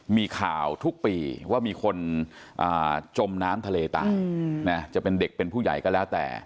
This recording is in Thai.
มีข่าวทุกปีว่ามีคนจมน้ำทะเลตายจะเป็นเด็กเป็นผู้ใหญ่ก็แล้วแต่